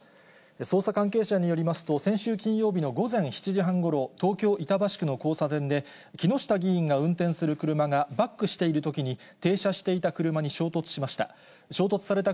捜査関係者によりますと、先週金曜日の午前７時半ごろ、東京・板橋区の交差点で、木下議員が運転する車がバックしているときに、停車していた車に衝突しました。